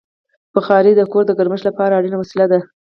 بخاري د کور د ګرمښت لپاره اړینه وسیله ده.